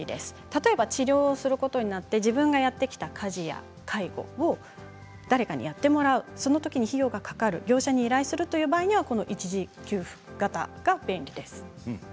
例えば治療することになって自分がやってきた家事や介護を誰かにやってもらうそのときに費用がかかる業者に依頼する場合にはこの一時給付型が便利です。